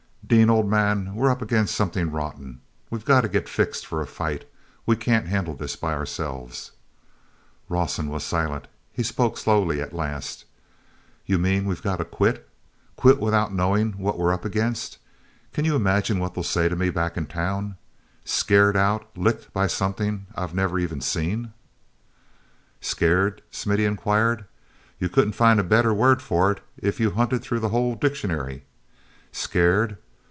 Dean, old man, we're up against something rotten. We've got to get fixed for a fight; we can't handle this by ourselves." awson was silent. He spoke slowly at last: "You mean we've got to quit—quit without knowing what we're up against. Can you imagine what they'll say to me back in town? Scared out, licked by something I've never even seen!" "Scared?" Smithy inquired. "You couldn't find a better word for it if you hunted through the whole dictionary. Scared?